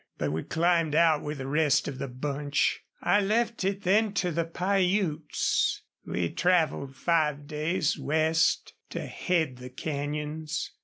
But we climbed out with the rest of the bunch. I left it then to the Piutes. We traveled five days west to head the canyons.